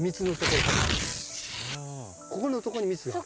ここのとこに蜜が。